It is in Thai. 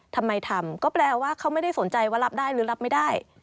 ทำไมทำก็แปลว่าเขาไม่ได้สนใจว่ารับได้หรือรับไม่ได้